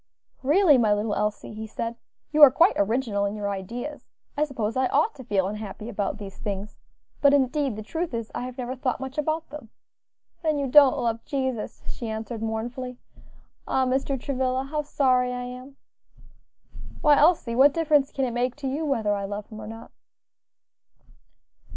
"Really, my little Elsie," he said, "you are quite original in your ideas, I suppose I ought to feel unhappy about these things, but indeed the truth is, I have never thought much about them." "Then you don't love Jesus," she answered, mournfully. "Ah! Mr. Travilla, how sorry I am." "Why, Elsie, what difference can it make to you whether I love Him or not?"